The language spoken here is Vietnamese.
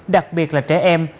đặc biệt là trẻ em